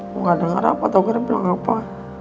gue gak denger apa tau kan bilang apa